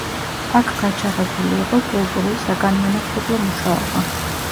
აქ გაჩაღებული იყო კულტურულ-საგანმანათლებლო მუშაობა.